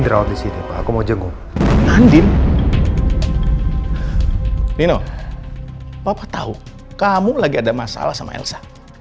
terawati sini aku mau jenguk andien nino papa tahu kamu lagi ada masalah sama elsa